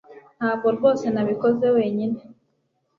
Ntabwo rwose nabikoze wenyine